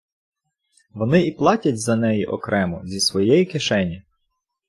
Вони і платять за неї окремо, зі своєї кишені.